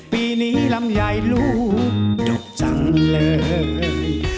ปีนี้ลำใหญ่ลูกดกจังเลย